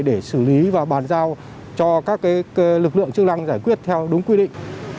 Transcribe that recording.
để xử lý và bàn giao cho các lực lượng chức năng giải quyết theo đúng quy định